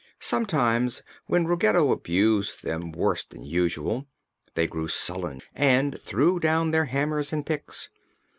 Sometimes, when Ruggedo abused them worse than usual, they grew sullen and threw down their hammers and picks.